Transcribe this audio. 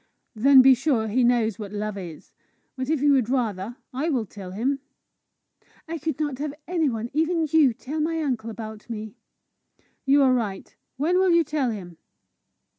"Then be sure he knows what love is. But, if you would rather, I will tell him." "I could not have any one, even you, tell my uncle about me." "You are right. When will you tell him?"